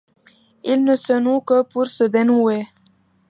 Il ne se noue que pour se dénouer.